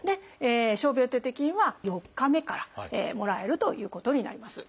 傷病手当金は４日目からもらえるということになります。